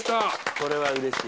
これはうれしい。